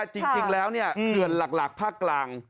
จริงแล้วเนี่ยเคือนหลักภาคกลาง